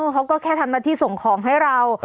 เขาก็แค่ทำหน้าที่ส่งของให้เรา